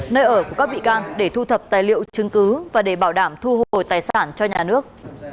nơi ở của các bị can để thu thập tài liệu chứng cứ và để bảo đảm thu hồi tài sản cho nhà nước